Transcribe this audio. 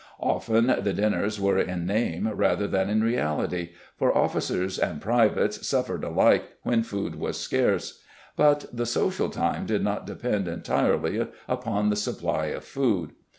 Often the dinners were in name rather than in reality, for officers and privates suffered alike when food was scarce, but the social time did not depend entirely upon the supply of food.